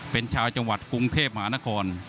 เป็นชาวจังหวัดกรุงเทพมหานคร